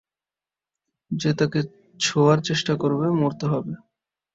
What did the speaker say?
যে তাকে ছোয়ার চেষ্টা করবে, মরতে হবে।